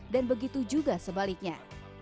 dan begitu juga sebaliknya